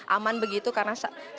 aman begitu karena